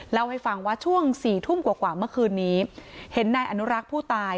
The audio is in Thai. เล่าให้ฟังว่าช่วงสี่ทุ่มกว่าเมื่อคืนนี้เห็นนายอนุรักษ์ผู้ตาย